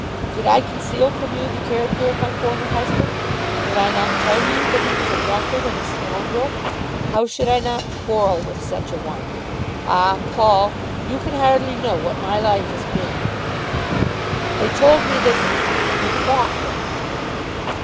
Did I conceal from you the character of my former husband? Did I not tell you that he was a drunkard and a scoundrel? How should I not quarrel with such a one? Ah, Paul; you can hardly know what my life has been." "They told me that you fought him."